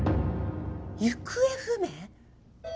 行方不明？